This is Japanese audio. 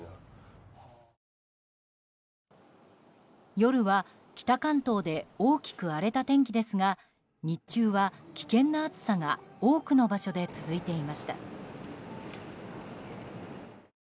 夜は、北関東で大きく荒れた天気ですが日中は危険な暑さが多くの場所で続いていました。